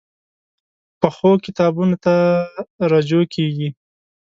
پخو کتابونو ته رجوع کېږي